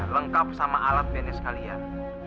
lengkap sama alat bandnya sekalian